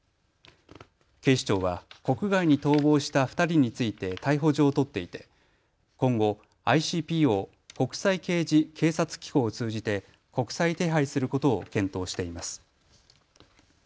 警視庁は国外に逃亡した２人について逮捕状を取っていて今後、ＩＣＰＯ・国際刑事警察機構を通じて国際手配することを検討しています。